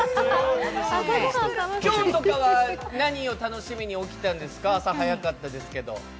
今日とかは何を楽しみに起きたんですか、朝早かったですけれども。